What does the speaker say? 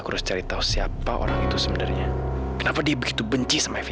walaupun sakit kayak begini